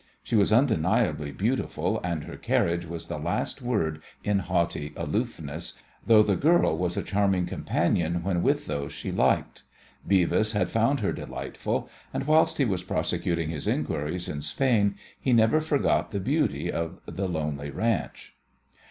She was undeniably beautiful, and her carriage was the last word in haughty aloofness, though the girl was a charming companion when with those she liked. Beavis had found her delightful, and whilst he was prosecuting his inquiries in Spain he never forgot the beauty of the lonely ranch.